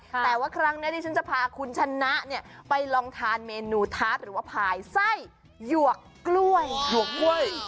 แต่ว่าครั้งนี้ฉันจะพาคุณชนะเนี่ยไปลองทานเมนูทาร์ทหรือว่าพายไส้หยวกกล้วย